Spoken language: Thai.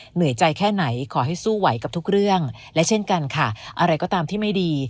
เหนื่อยใจแค่ไหนขอให้สู้ไหวกับทุกเรื่องและเช่นกันค่ะอะไรก็ตามที่ไม่ดี